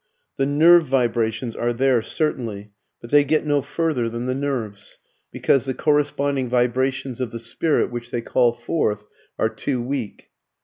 The nerve vibrations are there, certainly, but they get no further than the nerves, because the corresponding vibrations of the spirit which they call forth are too weak.